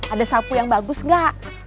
ada sapu yang bagus gak